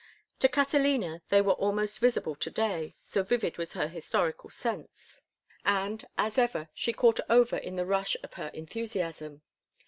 To Catalina they were almost visible to day, so vivid was her historical sense; and, as ever, she caught Over in the rush of her enthusiasm.